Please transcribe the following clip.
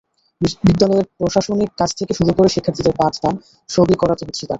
বিদ্যালয়ের প্রশাসনিক কাজ থেকে শুরু করে শিক্ষার্থীদের পাঠদান—সবই করাতে হচ্ছে তাঁকে।